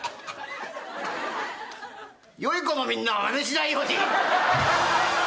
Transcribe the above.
よい子のみんなはまねしないように。